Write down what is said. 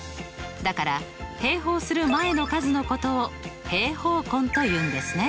だから平方する前の数のことを平方根というんですね。